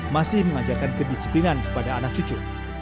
masih mengajarkan kedisiplinan kepada anak cucu